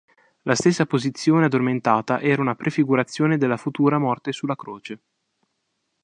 La stessa posizione addormentata era una prefigurazione della futura morte sulla croce.